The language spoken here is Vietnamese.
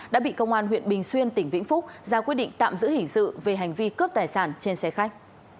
đã bị công an huyện bình xuyên tỉnh vĩnh phúc ra quyết định tạm giữ hình sự về hành vi cướp tài sản trên xe khách